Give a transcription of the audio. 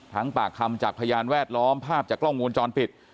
ปากคำจากพยานแวดล้อมภาพจากกล้องวงจรปิด